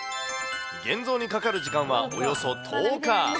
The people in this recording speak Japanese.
現像にかかる時間はおよそ１０日。